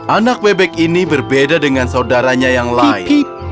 anak bebek ini berbeda dengan saudaranya yang lain